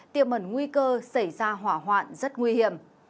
tiềm mẩn nguy cơ xảy ra hỏa hoạn rất nguy hiểm